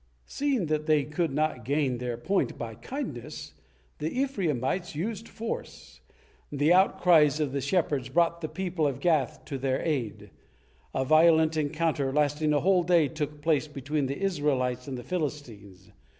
Seeing that they could not gain their point by kindness, the Ephraimites used force. The outcries of the shepherds brought the people of Gath to their aid. A violent encounter, lasting a whole day, took place between the Israelites and the Philistines.